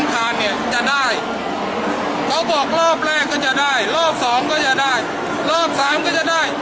เขาบอกรอบแรกก็จะได้รอบสองก็จะได้รอบสามก็จะได้